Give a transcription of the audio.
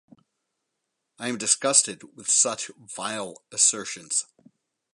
I am disgusted with such vile assertions.